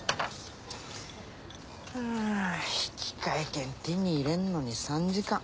はぁ引換券手に入れんのに３時間。